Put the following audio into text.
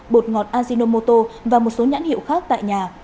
bột ngọt ajinomoto và một số nhãn hiệu khác tại nhà